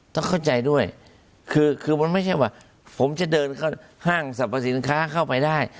ต้องเข้าใจด้วยคือมันไม่ใช่ว่าผมจะเดินเข้าห้างสรรพสินค้าเข้าไปได้